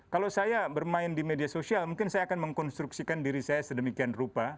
kalau saya bermain di media sosial mungkin saya akan mengkonstruksikan diri saya sedemikian rupa